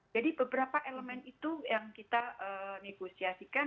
jadi beberapa elemen itu yang kita negosiasikan